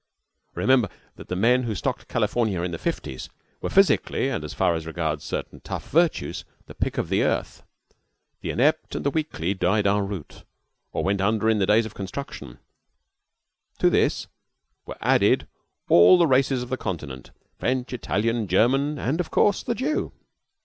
Remember that the men who stocked California in the fifties were physically, and, as far as regards certain tough virtues, the pick of the earth. The inept and the weakly died en route, or went under in the days of construction. To this nucleus were added all the races of the Continent French, Italian, German, and, of course, the Jew.